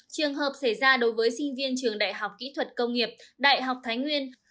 trường hợp xảy ra đối với sinh viên trường đại học kỹ thuật công nghiệp đại học thái nguyên